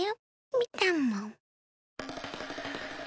みたもん。